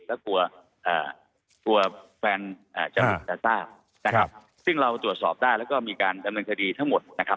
และกลัวแฟนชาวผิดซาซาซึ่งเราตรวจสอบได้แล้วก็มีการดำเนินคดีทั้งหมด